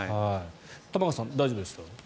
玉川さん、大丈夫でした？